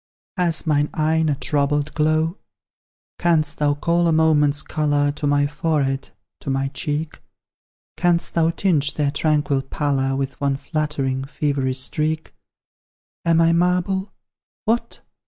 Has mine eye a troubled glow? Canst thou call a moment's colour To my forehead to my cheek? Canst thou tinge their tranquil pallor With one flattering, feverish streak? Am I marble? What!